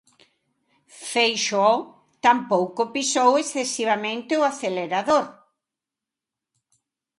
Feixóo tampouco pisou excesivamente o acelerador.